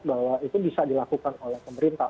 bahwa itu bisa dilakukan oleh pemerintah